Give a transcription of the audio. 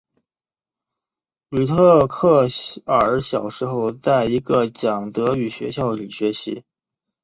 吕特克尔小时候在一个讲德语学校里学习。